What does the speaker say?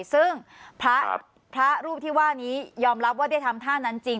ซึ่งพระรูปที่ว่านี้ยอมรับว่าได้ทำท่านั้นจริง